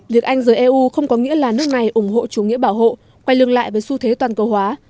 việc anh rời eu không có nghĩa là nước này ủng hộ chủ nghĩa bảo hộ quay lưng lại với xu thế toàn cầu hóa